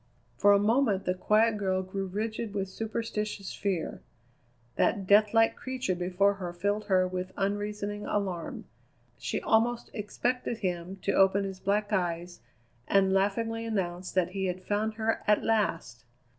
For a moment the quiet girl grew rigid with superstitious fear. That deathlike creature before her filled her with unreasoning alarm. She almost expected him to open his black eyes and laughingly announce that he had found her at last!